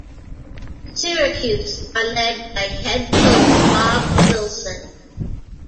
Syracuse are led by head coach Bob Wilson.